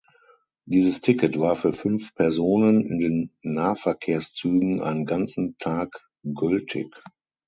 Dieses Ticket war für fünf Personen in den Nahverkehrszügen einen ganzen Tag gültig.